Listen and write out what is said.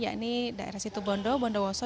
yakni daerah situbondo bondowoso